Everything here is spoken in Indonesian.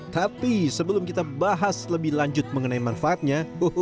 tapi sebelum kita bahas lebih lanjut mengenai manfaatnya